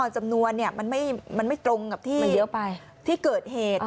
จำนวนมันไม่ตรงกับที่ที่เกิดเหตุ